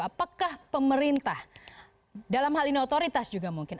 apakah pemerintah dalam hal ini otoritas juga mungkin